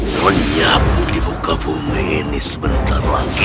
menyapu di buka bumi ini sebentar lagi